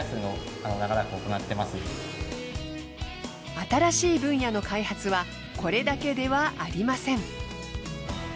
新しい分野の開発はこれだけではありません。